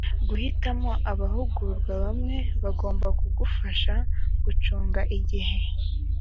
guhitamo abahugurwa bamwe bagomba kugufasha gucunga igihe